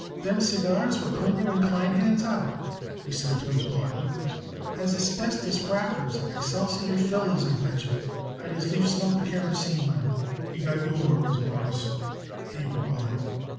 "Them cigars what Klinger & Klein hands out," he said to his partner, "has asbestos wrappers and excelsior fillers, I bet yer. I'd as lief smoke a kerosene lamp." "You got your worries, Mawruss," Abe replied.